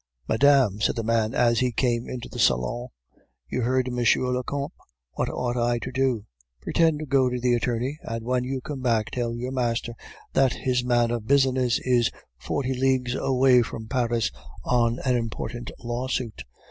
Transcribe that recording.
"'Madame,' said the man as he came into the salon, 'you heard M. le Comte; what ought I to do?' "'Pretend to go to the attorney, and when you come back tell your master that his man of business is forty leagues away from Paris on an important lawsuit.